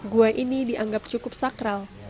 bukit ini juga dianggap cukup sakral